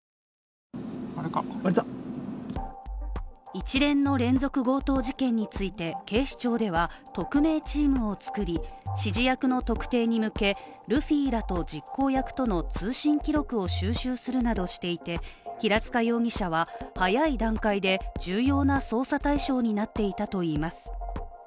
一連の連続強盗事件について警視庁では特命チームを作り、指示役の特定に向けルフィらと実行役との通信記録を収集するなどしていて平塚容疑者は早い段階で重要な捜査対象になっていたといいます。